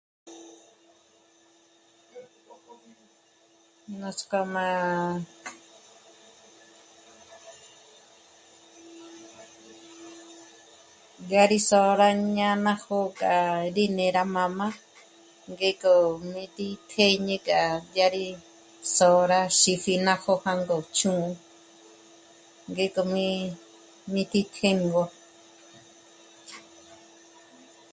Nuts'k'o má... ngâ rí sô'o rá ñá'a ná jó'o k'a rí né'e rá m'ā̂m'ā̂ ngék'o mí tí tjěñe k'a yá rí sô'o rá xípji ná jó'o jângo chjū́'ū ngék'o mí... mí tí tjêngo